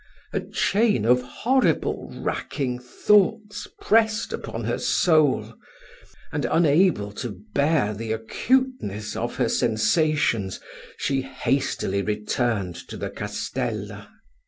A chain of horrible racking thoughts pressed upon her soul; and, unable to bear the acuteness of her sensations, she hastily returned to the castella.